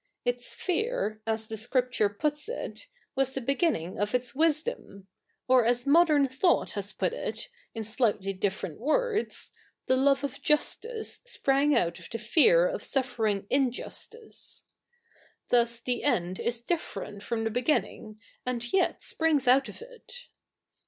Its fear ^ as the Scripture puts it, ivas the beginning of its wisdo?n ; or as niodern thought has put it, in slightly differefit words, the love of justice sprang out of the fear of suffering i?i justice. Thus the etid is differejtt from the beginnifig, and yet springs out of it.